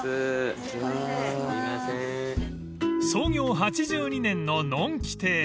［創業８２年ののんき亭］